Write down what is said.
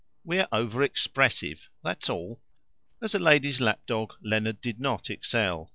We're over expressive: that's all. " As a lady's lap dog Leonard did not excel.